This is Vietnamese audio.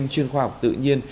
chuyên khoa học tự nhiên